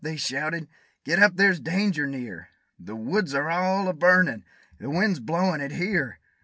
they shouted: "get up! there's danger near! The woods are all a burnin'! the wind is blowin' it here!"